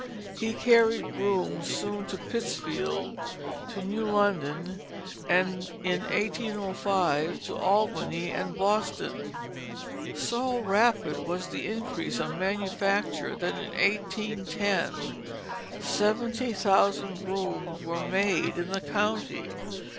He carried brooms soon to Pittsfield, to New London, and in 1805 to Albany and Boston. So rapid was the increase of manufacture that in 1810 seventy thousand brooms were made in the county.